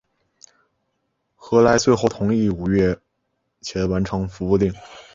何来最后同意五月前完成服务令。